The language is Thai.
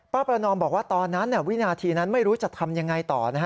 ประนอมบอกว่าตอนนั้นวินาทีนั้นไม่รู้จะทำยังไงต่อนะฮะ